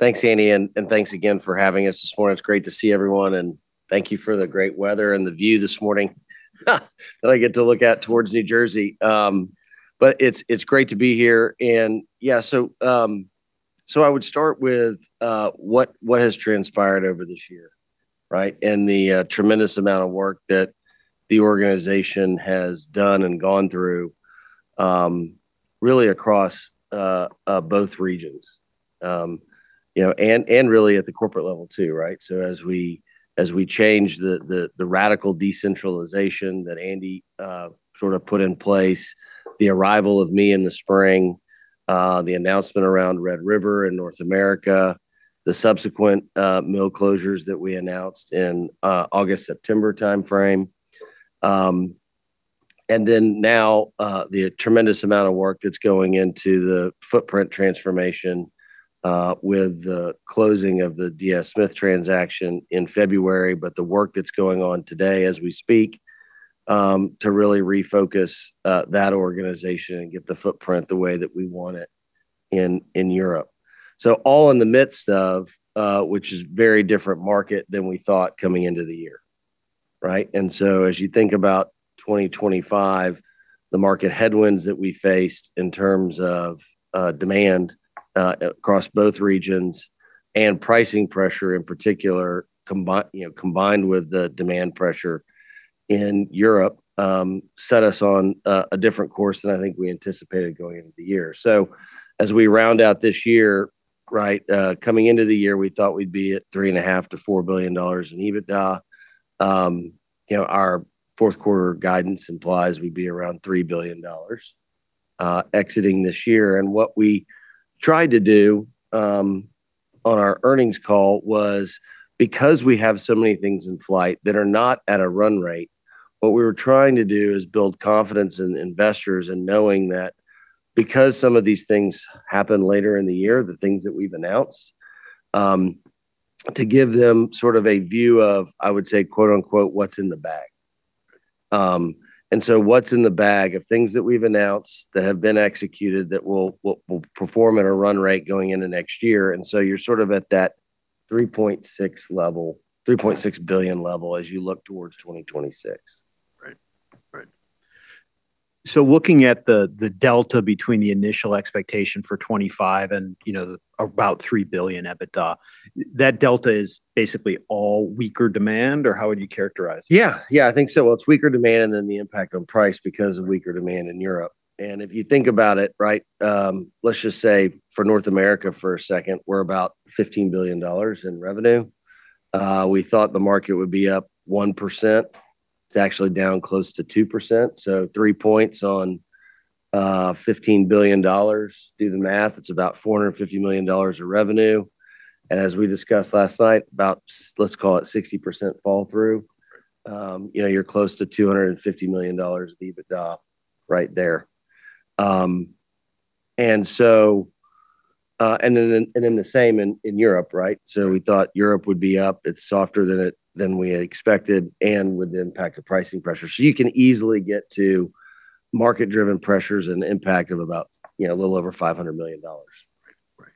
Thanks, Andy, and thanks again for having us this morning. It's great to see everyone, and thank you for the great weather and the view this morning that I get to look at towards New Jersey. But it's great to be here. And yeah, so I would start with what has transpired over this year, right, and the tremendous amount of work that the organization has done and gone through really across both regions, and really at the corporate level too, right? So as we change the radical decentralization that Andy sort of put in place, the arrival of me in the spring, the announcement around Red River in North America, the subsequent mill closures that we announced in August, September timeframe, and then now the tremendous amount of work that's going into the footprint transformation with the closing of the DS Smith transaction in February, but the work that's going on today as we speak to really refocus that organization and get the footprint the way that we want it in Europe, so all in the midst of which is a very different market than we thought coming into the year, right? And so as you think about 2025, the market headwinds that we faced in terms of demand across both regions and pricing pressure in particular, combined with the demand pressure in Europe, set us on a different course than I think we anticipated going into the year. So as we round out this year, right, coming into the year, we thought we'd be at $3.5-$4 billion in EBITDA. Our fourth quarter guidance implies we'd be around $3 billion exiting this year. What we tried to do on our earnings call was, because we have so many things in flight that are not at a run rate, what we were trying to do is build confidence in investors and knowing that because some of these things happen later in the year, the things that we've announced, to give them sort of a view of, I would say, quote unquote, "what's in the bag." So what's in the bag of things that we've announced that have been executed that will perform at a run rate going into next year. So you're sort of at that $3.6 billion level as you look towards 2026. Right. Right. So looking at the delta between the initial expectation for 2025 and about $3 billion EBITDA, that delta is basically all weaker demand, or how would you characterize it? Yeah. Yeah, I think so. Well, it's weaker demand and then the impact on price because of weaker demand in Europe. And if you think about it, right, let's just say for North America for a second, we're about $15 billion in revenue. We thought the market would be up 1%. It's actually down close to 2%. So three points on $15 billion. Do the math. It's about $450 million of revenue. And as we discussed last night, about, let's call it 60% fall through, you're close to $250 million EBITDA right there. And then the same in Europe, right? So we thought Europe would be up. It's softer than we expected and with the impact of pricing pressure. So you can easily get to market-driven pressures and the impact of about a little over $500 million. Right.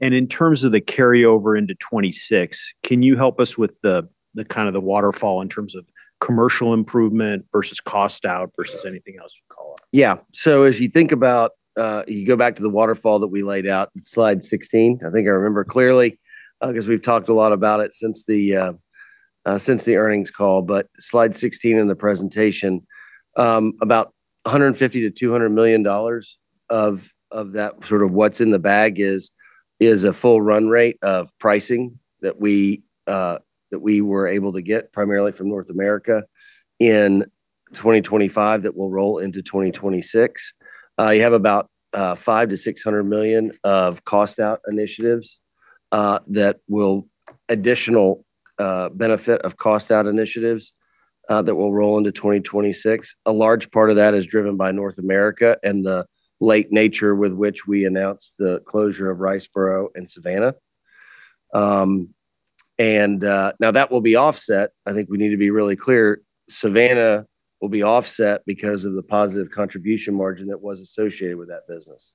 And in terms of the carryover into 2026, can you help us with the kind of waterfall in terms of commercial improvement versus cost out versus anything else you'd call it? Yeah. So as you think about, you go back to the waterfall that we laid out, slide 16. I think I remember clearly because we've talked a lot about it since the earnings call, but slide 16 in the presentation, about $150-$200 million of that sort of what's in the bag is a full run rate of pricing that we were able to get primarily from North America in 2025 that will roll into 2026. You have about $500-$600 million of cost out initiatives that will additional benefit of cost out initiatives that will roll into 2026. A large part of that is driven by North America and the late nature with which we announced the closure of Riceboro and Savannah. And now that will be offset. I think we need to be really clear. Savannah will be offset because of the positive contribution margin that was associated with that business.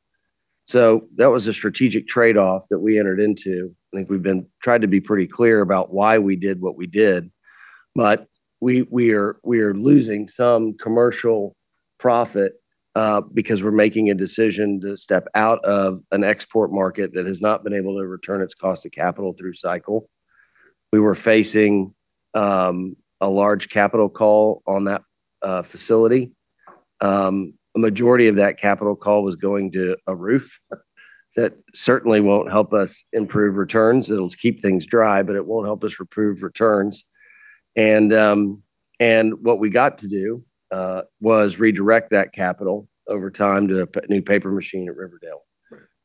So that was a strategic trade-off that we entered into. I think we've tried to be pretty clear about why we did what we did, but we are losing some commercial profit because we're making a decision to step out of an export market that has not been able to return its cost of capital through cycle. We were facing a large capital call on that facility. A majority of that capital call was going to a roof that certainly won't help us improve returns. It'll keep things dry, but it won't help us improve returns. And what we got to do was redirect that capital over time to a new paper machine at Riverdale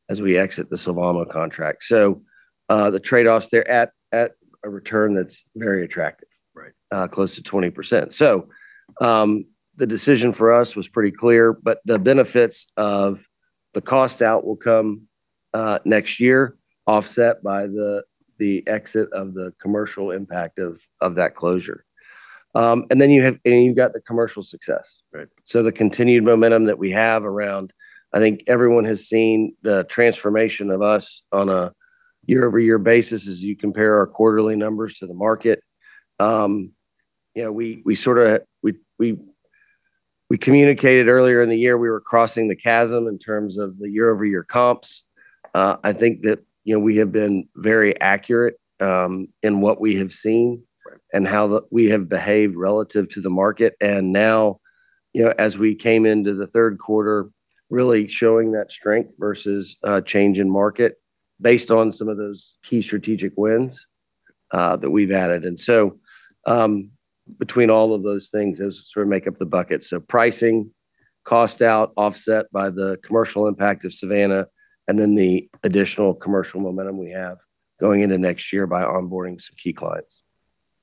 as we exit the Sylvamo contract. So the trade-offs there at a return that's very attractive, close to 20%. So the decision for us was pretty clear, but the benefits of the cost out will come next year, offset by the exit of the commercial impact of that closure. And then you have the commercial success. So the continued momentum that we have around, I think everyone has seen the transformation of us on a year-over-year basis as you compare our quarterly numbers to the market. We sort of communicated earlier in the year, we were crossing the chasm in terms of the year-over-year comps. I think that we have been very accurate in what we have seen and how we have behaved relative to the market. And now, as we came into the third quarter, really showing that strength versus change in market based on some of those key strategic wins that we've added. And so between all of those things as we sort of make up the bucket, so pricing, cost out offset by the commercial impact of Savannah, and then the additional commercial momentum we have going into next year by onboarding some key clients.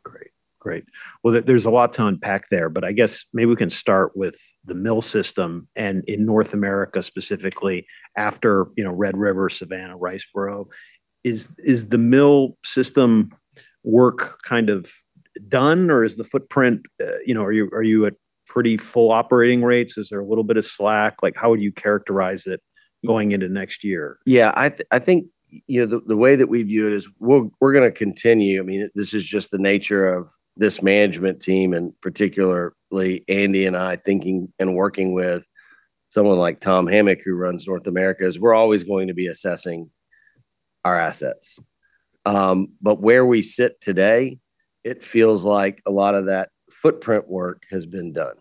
Great. Great. Well, there's a lot to unpack there, but I guess maybe we can start with the mill system and in North America specifically after Red River, Savannah, Riceboro. Is the mill system work kind of done, or is the footprint, are you at pretty full operating rates? Is there a little bit of slack? How would you characterize it going into next year? Yeah, I think the way that we view it is we're going to continue. I mean, this is just the nature of this management team and particularly Andy and I thinking and working with someone like Tom Hamic, who runs North America, is we're always going to be assessing our assets. But where we sit today, it feels like a lot of that footprint work has been done.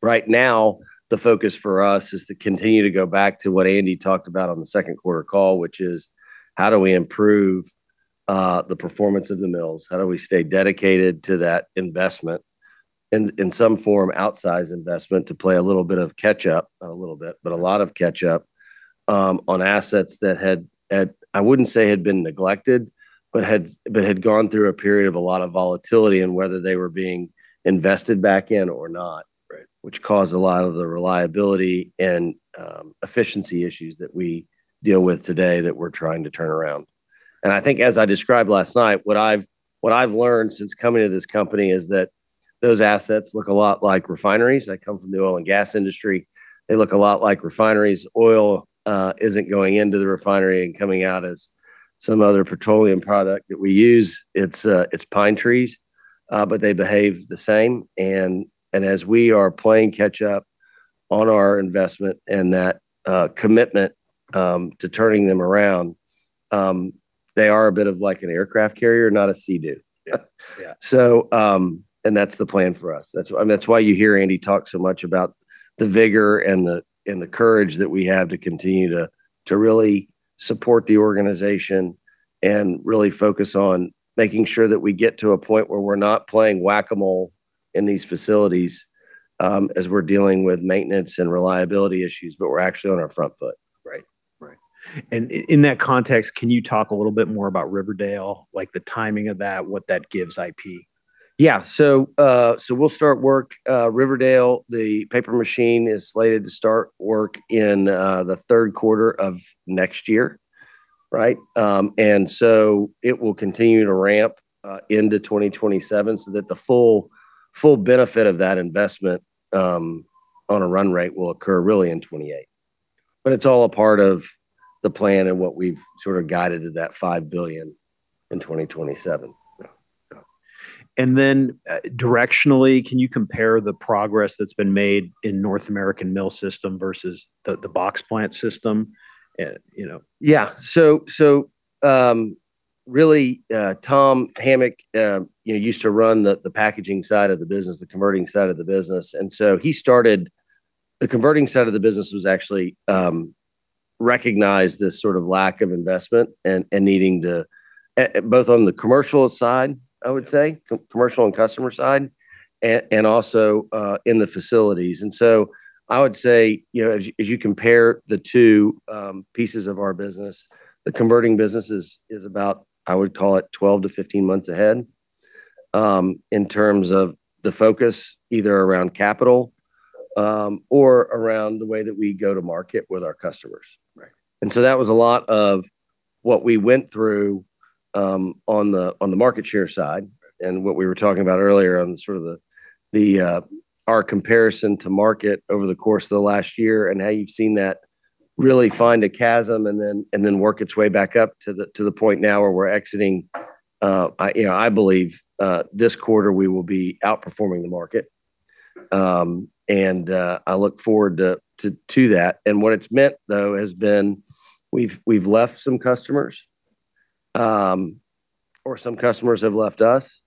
Right now, the focus for us is to continue to go back to what Andy talked about on the second quarter call, which is how do we improve the performance of the mills? How do we stay dedicated to that investment in some form outsize investment to play a little bit of catch-up, not a little bit, but a lot of catch-up on assets that had, I wouldn't say had been neglected, but had gone through a period of a lot of volatility in whether they were being invested back in or not, which caused a lot of the reliability and efficiency issues that we deal with today that we're trying to turn around. And I think as I described last night, what I've learned since coming to this company is that those assets look a lot like refineries. I come from the oil and gas industry. They look a lot like refineries. Oil isn't going into the refinery and coming out as some other petroleum product that we use. It's pine trees, but they behave the same. And as we are playing catch-up on our investment and that commitment to turning them around, they are a bit like an aircraft carrier, not a sea-doo. And that's the plan for us. That's why you hear Andy talk so much about the vigor and the courage that we have to continue to really support the organization and really focus on making sure that we get to a point where we're not playing whack-a-mole in these facilities as we're dealing with maintenance and reliability issues, but we're actually on our front foot. Right. Right. And in that context, can you talk a little bit more about Riverdale, like the timing of that, what that gives IP? Yeah. So we'll start work. Riverdale, the paper machine is slated to start work in the third quarter of next year, right? And so it will continue to ramp into 2027 so that the full benefit of that investment on a run rate will occur really in 2028. But it's all a part of the plan and what we've sort of guided to that $5 billion in 2027. Directionally, can you compare the progress that's been made in the North American mill system versus the box plant system? Yeah. So really, Tom Hamic used to run the packaging side of the business, the converting side of the business. And so he started the converting side of the business was actually recognized this sort of lack of investment and needing to both on the commercial side, I would say, commercial and customer side, and also in the facilities. And so I would say as you compare the two pieces of our business, the converting business is about, I would call it 12-15 months ahead in terms of the focus either around capital or around the way that we go to market with our customers. And so that was a lot of what we went through on the market share side and what we were talking about earlier on sort of our comparison to market over the course of the last year and how you've seen that really find a chasm and then work its way back up to the point now where we're exiting. I believe this quarter we will be outperforming the market. And I look forward to that. And what it's meant, though, has been we've left some customers or some customers have left us.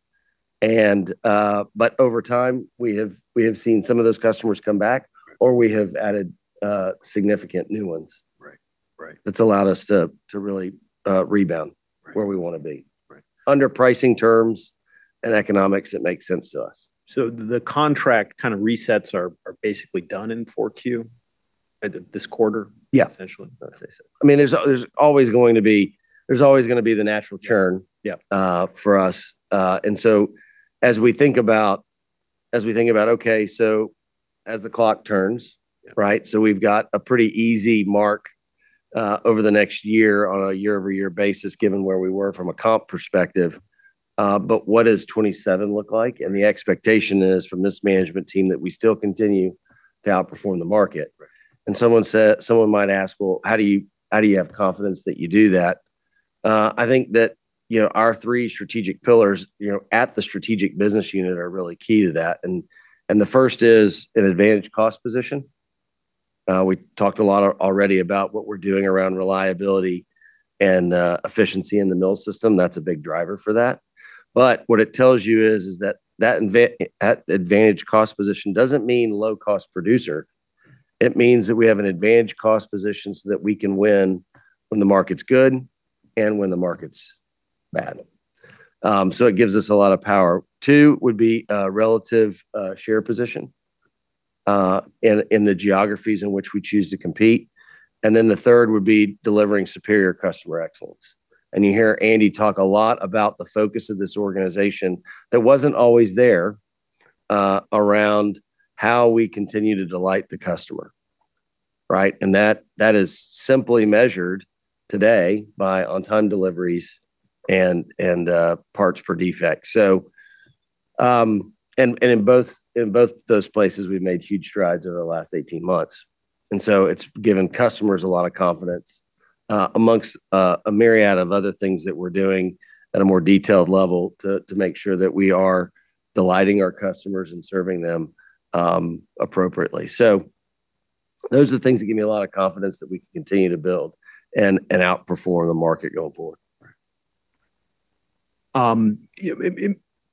But over time, we have seen some of those customers come back or we have added significant new ones that's allowed us to really rebound where we want to be under pricing terms and economics that make sense to us. So the contract kind of resets are basically done in 4Q this quarter, essentially? Yeah. I mean, there's always going to be the natural churn for us. And so as we think about, okay, so as the clock turns, right, so we've got a pretty easy mark over the next year on a year-over-year basis given where we were from a comp perspective. But what does 2027 look like? The expectation is from this management team that we still continue to outperform the market. Someone might ask, well, how do you have confidence that you do that? I think that our three strategic pillars at the strategic business unit are really key to that. The first is an advantage cost position. We talked a lot already about what we're doing around reliability and efficiency in the mill system. That's a big driver for that. But what it tells you is that that advantage cost position doesn't mean low-cost producer. It means that we have an advantage cost position so that we can win when the market's good and when the market's bad. So it gives us a lot of power. Two would be a relative share position in the geographies in which we choose to compete. And then the third would be delivering superior customer excellence. And you hear Andy talk a lot about the focus of this organization that wasn't always there around how we continue to delight the customer, right? And that is simply measured today by on-time deliveries and parts per defect. And in both those places, we've made huge strides over the last 18 months. And so it's given customers a lot of confidence amongst a myriad of other things that we're doing at a more detailed level to make sure that we are delighting our customers and serving them appropriately. So those are the things that give me a lot of confidence that we can continue to build and outperform the market going forward.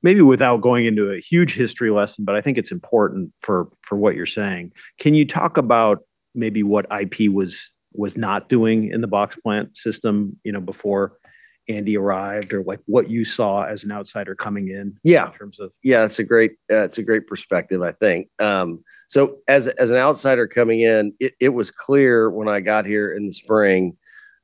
Maybe without going into a huge history lesson, but I think it's important for what you're saying. Can you talk about maybe what IP was not doing in the box plant system before Andy arrived or what you saw as an outsider coming in in terms of? Yeah, it's a great perspective, I think. So as an outsider coming in, it was clear when I got here in the spring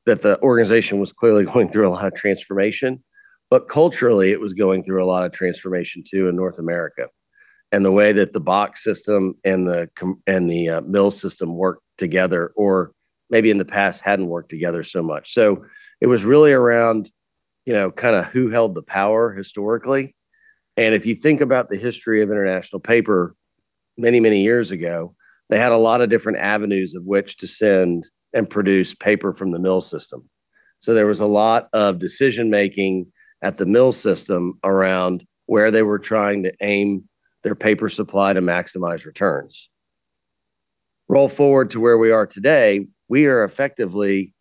that the organization was clearly going through a lot of transformation. But culturally, it was going through a lot of transformation too in North America and the way that the box system and the mill system worked together or maybe in the past hadn't worked together so much. So it was really around kind of who held the power historically. And if you think about the history of International Paper many, many years ago, they had a lot of different avenues of which to send and produce paper from the mill system. So there was a lot of decision-making at the mill system around where they were trying to aim their paper supply to maximize returns. Roll forward to where we are today. We are effectively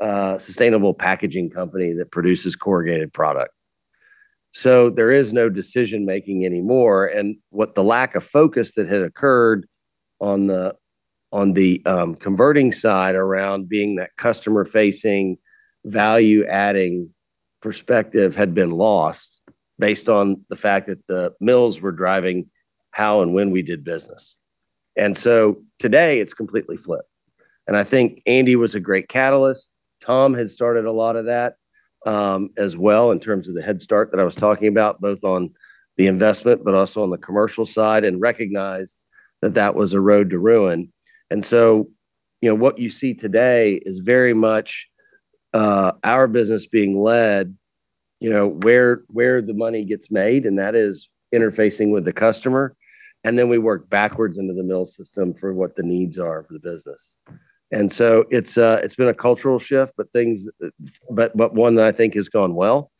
a sustainable packaging company that produces corrugated product, so there is no decision-making anymore, and what the lack of focus that had occurred on the converting side around being that customer-facing value-adding perspective had been lost based on the fact that the mills were driving how and when we did business. And so today, it's completely flipped. And I think Andy was a great catalyst. Tom had started a lot of that as well in terms of the head start that I was talking about, both on the investment, but also on the commercial side and recognized that that was a road to ruin. And so what you see today is very much our business being led where the money gets made, and that is interfacing with the customer. And then we work backwards into the mill system for what the needs are for the business. And so it's been a cultural shift, but one that I think has gone well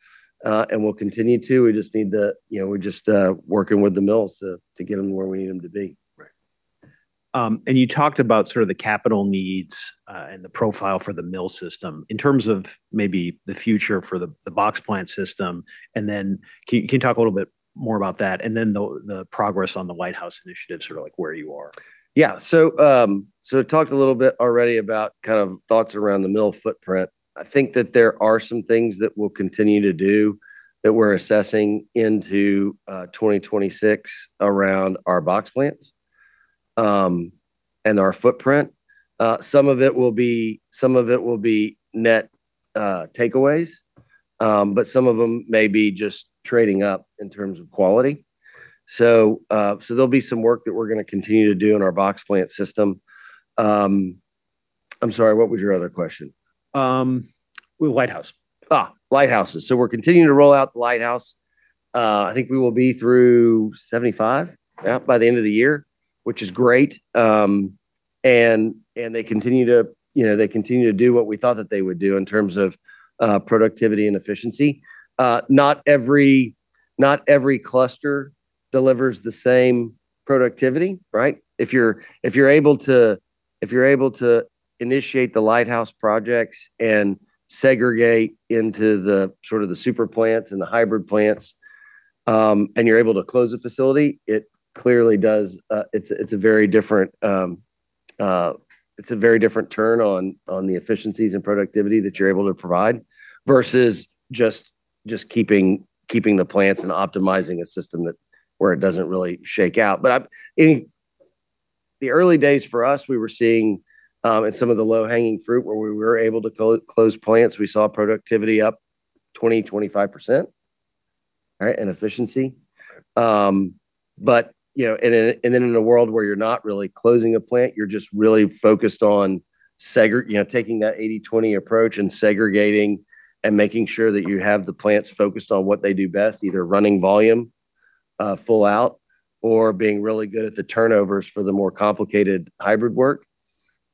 and will continue to. We just need to, we're just working with the mills to get them where we need them to be. You talked about sort of the capital needs and the profile for the mill system in terms of maybe the future for the box plant system. Then can you talk a little bit more about that and the progress on the Lighthouse initiative, sort of like where you are? Yeah. So talked a little bit already about kind of thoughts around the mill footprint. I think that there are some things that we'll continue to do that we're assessing into 2026 around our box plants and our footprint. Some of it will be net takeaways, but some of them may be just trading up in terms of quality. So there'll be some work that we're going to continue to do in our box plant system. I'm sorry, what was your other question? With Lighthouse. Lighthouse. We're continuing to roll out the Lighthouse. I think we will be through '75 by the end of the year, which is great. They continue to do what we thought that they would do in terms of productivity and efficiency. Not every cluster delivers the same productivity, right? If you're able to initiate the Lighthouse projects and segregate into the sort of the super plants and the hybrid plants and you're able to close the facility, it clearly does. It's a very different turn on the efficiencies and productivity that you're able to provide versus just keeping the plants and optimizing a system where it doesn't really shake out. In the early days for us, we were seeing in some of the low-hanging fruit where we were able to close plants, we saw productivity up 20%-25%, right, in efficiency. But then in a world where you're not really closing a plant, you're just really focused on taking that 80/20 approach and segregating and making sure that you have the plants focused on what they do best, either running volume full out or being really good at the turnovers for the more complicated hybrid work.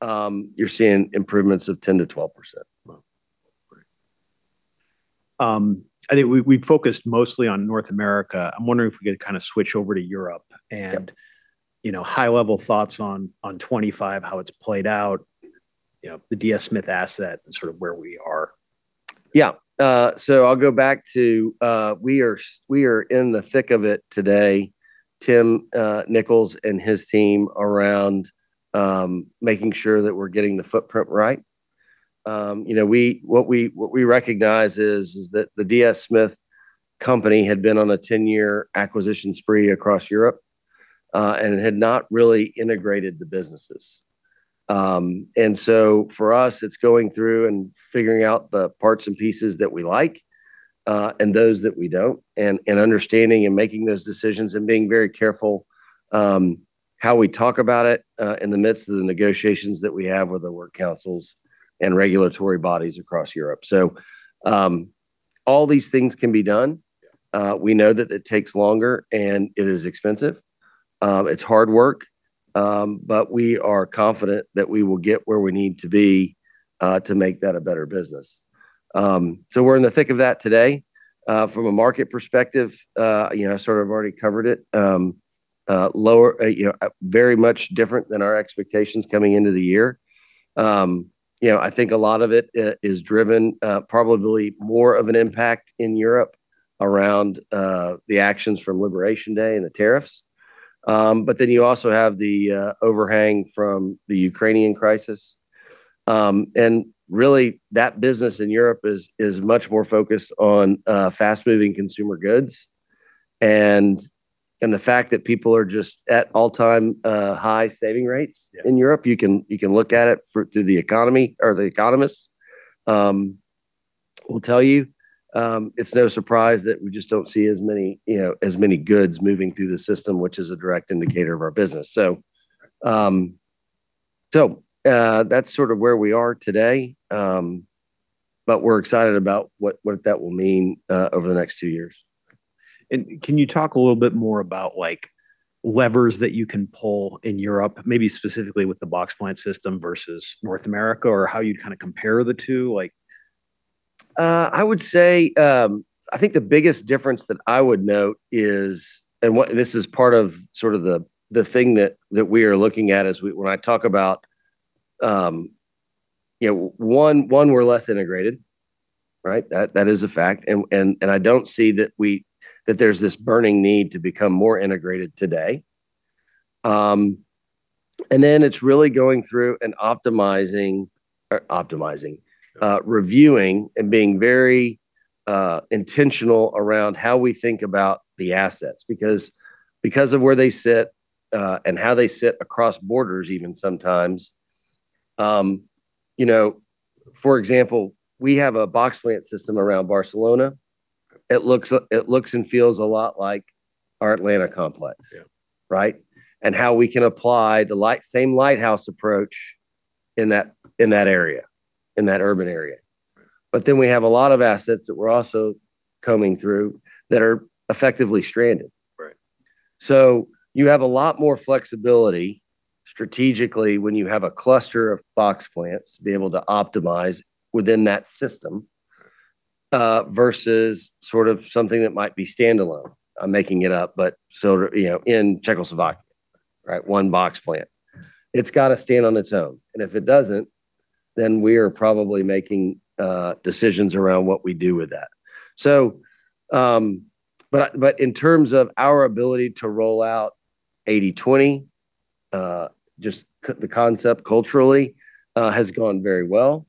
You're seeing improvements of 10%-12%. I think we focused mostly on North America. I'm wondering if we could kind of switch over to Europe and high-level thoughts on 2025, how it's played out, the DS Smith asset and sort of where we are? Yeah. So I'll go back to we are in the thick of it today, Tim Nicholls and his team around making sure that we're getting the footprint right. What we recognize is that the DS Smith company had been on a 10-year acquisition spree across Europe and had not really integrated the businesses, and so for us, it's going through and figuring out the parts and pieces that we like and those that we don't and understanding and making those decisions and being very careful how we talk about it in the midst of the negotiations that we have with the work councils and regulatory bodies across Europe, so all these things can be done. We know that it takes longer and it is expensive. It's hard work, but we are confident that we will get where we need to be to make that a better business. So we're in the thick of that today. From a market perspective, I sort of already covered it, very much different than our expectations coming into the year. I think a lot of it is driven probably more of an impact in Europe around the actions from Liberation Day and the tariffs. But then you also have the overhang from the Ukrainian crisis. And really, that business in Europe is much more focused on fast-moving consumer goods. And the fact that people are just at all-time high saving rates in Europe, you can look at it through the economy or the economists will tell you. It's no surprise that we just don't see as many goods moving through the system, which is a direct indicator of our business. So that's sort of where we are today. But we're excited about what that will mean over the next two years. And can you talk a little bit more about levers that you can pull in Europe, maybe specifically with the box plant system versus North America or how you'd kind of compare the two? I would say I think the biggest difference that I would note is, and this is part of sort of the thing that we are looking at is when I talk about one, we're less integrated, right? That is a fact, and I don't see that there's this burning need to become more integrated today. And then it's really going through and optimizing, reviewing, and being very intentional around how we think about the assets because of where they sit and how they sit across borders even sometimes. For example, we have a box plant system around Barcelona. It looks and feels a lot like our Atlanta complex, right? And how we can apply the same Lighthouse approach in that area, in that urban area, but then we have a lot of assets that we're also combing through that are effectively stranded. You have a lot more flexibility strategically when you have a cluster of box plants to be able to optimize within that system versus sort of something that might be standalone. I'm making it up, but in Czechoslovakia, right, one box plant. It's got to stand on its own. And if it doesn't, then we are probably making decisions around what we do with that. But in terms of our ability to roll out 80/20, just the concept culturally has gone very well.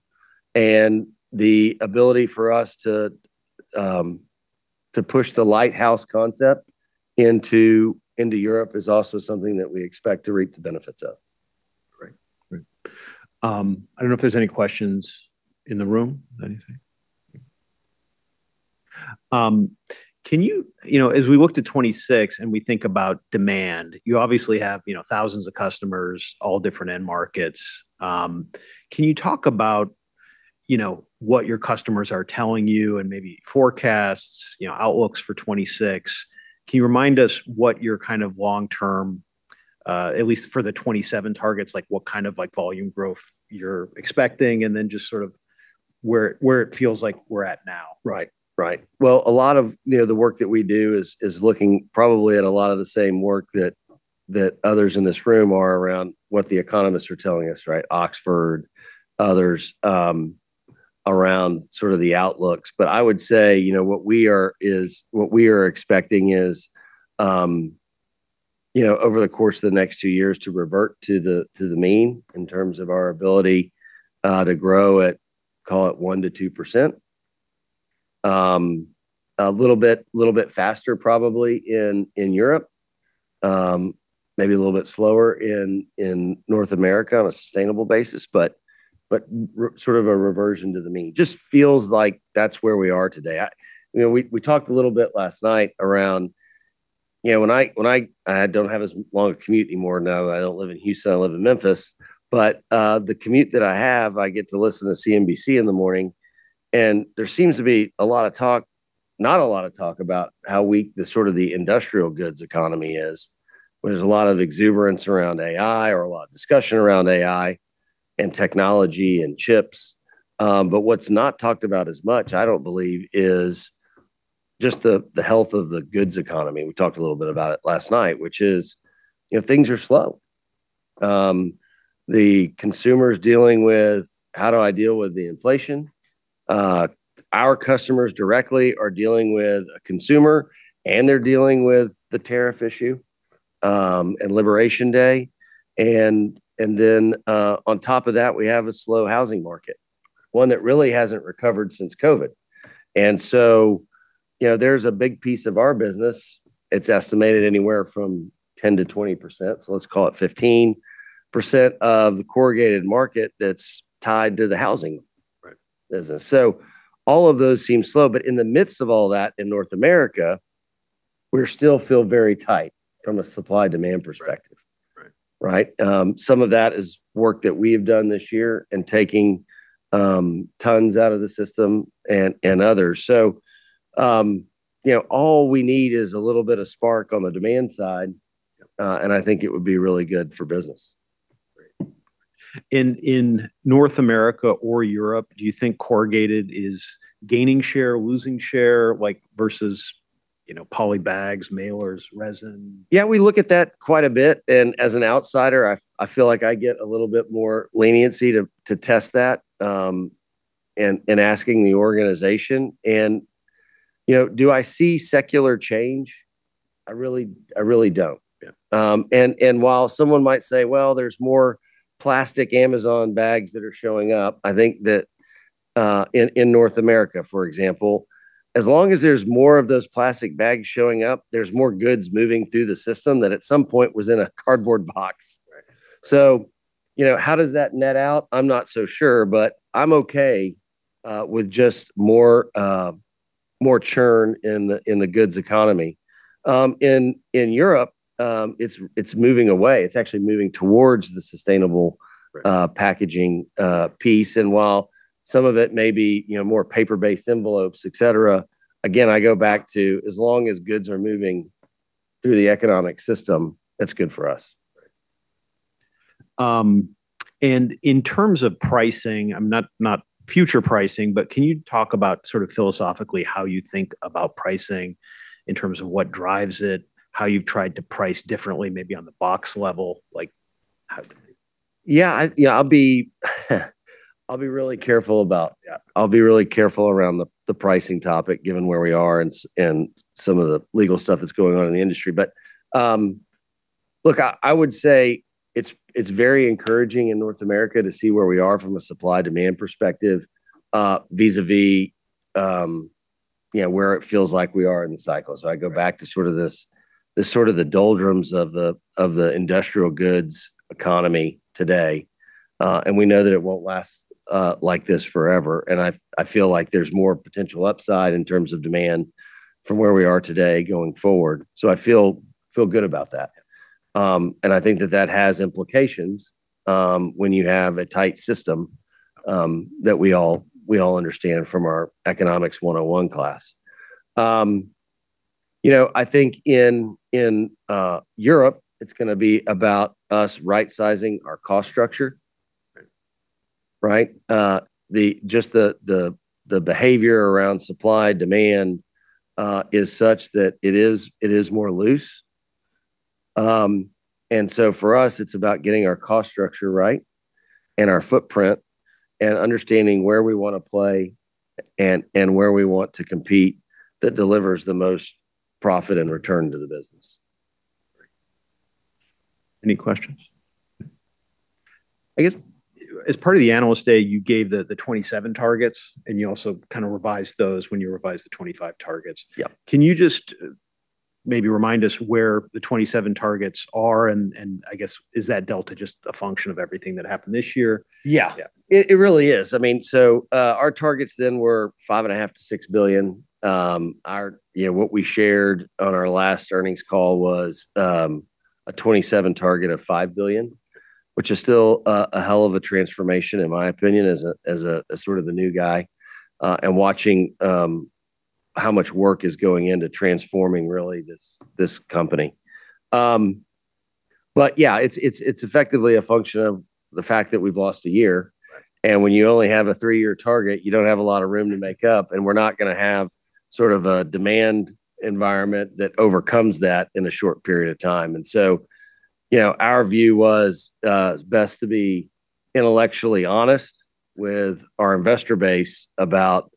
And the ability for us to push the Lighthouse concept into Europe is also something that we expect to reap the benefits of. Great. I don't know if there's any questions in the room, anything. As we look to 2026 and we think about demand, you obviously have thousands of customers, all different end markets. Can you talk about what your customers are telling you and maybe forecasts, outlooks for 2026? Can you remind us what your kind of long-term, at least for the 2027 targets, like what kind of volume growth you're expecting and then just sort of where it feels like we're at now? Right. Right. Well, a lot of the work that we do is looking probably at a lot of the same work that others in this room are around what the economists are telling us, right? Oxford, others around sort of the outlooks. But I would say what we are expecting is over the course of the next two years to revert to the mean in terms of our ability to grow at, call it 1%-2%, a little bit faster probably in Europe, maybe a little bit slower in North America on a sustainable basis, but sort of a reversion to the mean. Just feels like that's where we are today. We talked a little bit last night around when I don't have as long a commute anymore now that I don't live in Houston, I live in Memphis, but the commute that I have, I get to listen to CNBC in the morning, and there seems to be a lot of talk, not a lot of talk about how weak sort of the industrial goods economy is. There's a lot of exuberance around AI or a lot of discussion around AI and technology and chips, but what's not talked about as much, I don't believe, is just the health of the goods economy. We talked a little bit about it last night, which is things are slow. The consumer is dealing with how do I deal with the inflation. Our customers directly are dealing with a consumer and they're dealing with the tariff issue and Liberation Day. And then on top of that, we have a slow housing market, one that really hasn't recovered since COVID. And so there's a big piece of our business. It's estimated anywhere from 10%-20%. So let's call it 15% of the corrugated market that's tied to the housing business. So all of those seem slow. But in the midst of all that in North America, we still feel very tight from a supply-demand perspective, right? Some of that is work that we have done this year and taking tons out of the system and others. So all we need is a little bit of spark on the demand side, and I think it would be really good for business. In North America or Europe, do you think corrugated is gaining share, losing share versus poly bags, mailers, resin? Yeah, we look at that quite a bit. And as an outsider, I feel like I get a little bit more leniency to test that and asking the organization. And do I see secular change? I really don't. And while someone might say, "Well, there's more plastic Amazon bags that are showing up," I think that in North America, for example, as long as there's more of those plastic bags showing up, there's more goods moving through the system that at some point was in a cardboard box. So how does that net out? I'm not so sure, but I'm okay with just more churn in the goods economy. In Europe, it's moving away. It's actually moving towards the sustainable packaging piece. While some of it may be more paper-based envelopes, etc., again, I go back to as long as goods are moving through the economic system, that's good for us. In terms of pricing, not future pricing, but can you talk about sort of philosophically how you think about pricing in terms of what drives it, how you've tried to price differently maybe on the box level? Yeah. I'll be really careful around the pricing topic given where we are and some of the legal stuff that's going on in the industry. But look, I would say it's very encouraging in North America to see where we are from a supply-demand perspective vis-à-vis where it feels like we are in the cycle. So I go back to sort of the doldrums of the industrial goods economy today. And we know that it won't last like this forever. And I feel like there's more potential upside in terms of demand from where we are today going forward. So I feel good about that. And I think that has implications when you have a tight system that we all understand from our economics 101 class. I think in Europe, it's going to be about us right-sizing our cost structure, right? Just the behavior around supply-demand is such that it is more loose. And so for us, it's about getting our cost structure right and our footprint and understanding where we want to play and where we want to compete that delivers the most profit and return to the business. Any questions? I guess as part of the analyst day, you gave the 2027 targets and you also kind of revised those when you revised the 2025 targets. Can you just maybe remind us where the 2027 targets are? And I guess is that delta just a function of everything that happened this year? Yeah. It really is. I mean, so our targets then were $5.5 billion-$6 billion. What we shared on our last earnings call was a 2027 target of $5 billion, which is still a hell of a transformation, in my opinion, as sort of the new guy and watching how much work is going into transforming really this company. But yeah, it's effectively a function of the fact that we've lost a year. And when you only have a three-year target, you don't have a lot of room to make up. And we're not going to have sort of a demand environment that overcomes that in a short period of time. And so our view was best to be intellectually honest with our investor base about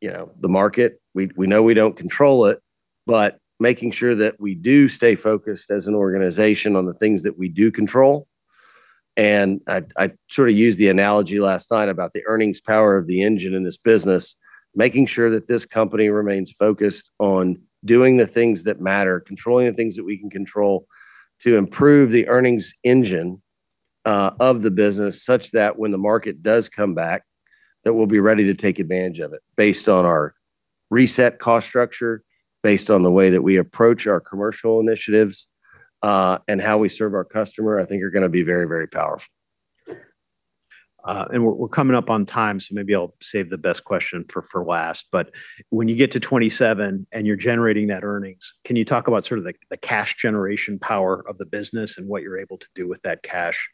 the market. We know we don't control it, but making sure that we do stay focused as an organization on the things that we do control, and I sort of used the analogy last night about the earnings power of the engine in this business, making sure that this company remains focused on doing the things that matter, controlling the things that we can control to improve the earnings engine of the business such that when the market does come back, that we'll be ready to take advantage of it based on our reset cost structure, based on the way that we approach our commercial initiatives and how we serve our customer. I think are going to be very, very powerful. We're coming up on time, so maybe I'll save the best question for last. When you get to 2027 and you're generating that earnings, can you talk about sort of the cash generation power of the business and what you're able to do with that cash?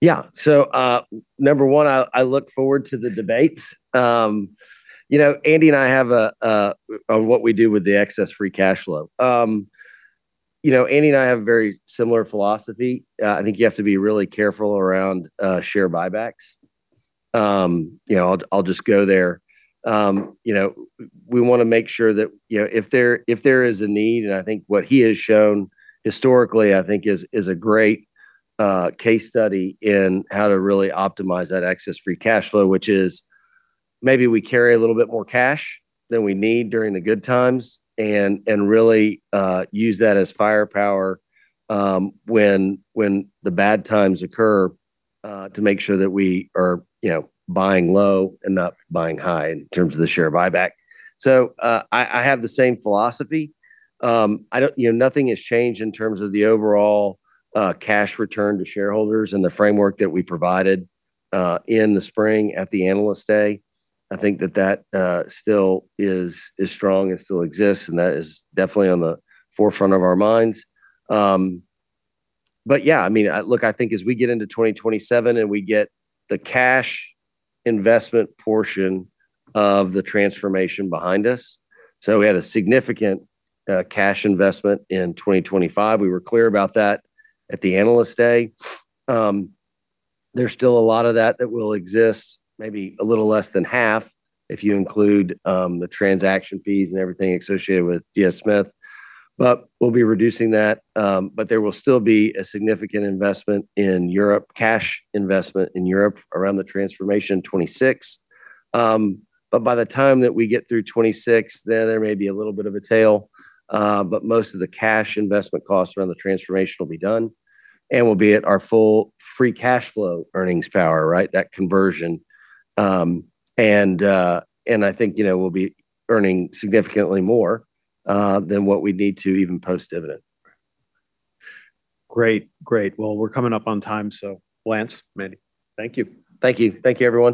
Yeah. So number one, I look forward to the debates. Andy and I have a what we do with the excess free cash flow. Andy and I have a very similar philosophy. I think you have to be really careful around share buybacks. I'll just go there. We want to make sure that if there is a need, and I think what he has shown historically, I think is a great case study in how to really optimize that excess free cash flow, which is maybe we carry a little bit more cash than we need during the good times and really use that as firepower when the bad times occur to make sure that we are buying low and not buying high in terms of the share buyback. So I have the same philosophy. Nothing has changed in terms of the overall cash return to shareholders and the framework that we provided in the spring at the analyst day. I think that that still is strong and still exists, and that is definitely on the forefront of our minds, but yeah, I mean, look, I think as we get into 2027 and we get the cash investment portion of the transformation behind us, so we had a significant cash investment in 2025. We were clear about that at the analyst day. There's still a lot of that that will exist, maybe a little less than half if you include the transaction fees and everything associated with DS Smith, but we'll be reducing that, but there will still be a significant investment in Europe, cash investment in Europe around the transformation in 2026. But by the time that we get through 2026, then there may be a little bit of a tail, but most of the cash investment costs around the transformation will be done and will be at our full free cash flow earnings power, right? That conversion. And I think we'll be earning significantly more than what we need to even post dividend. Great. Great. Well, we're coming up on time. So Lance, Mandi, thank you. Thank you. Thank you, everyone.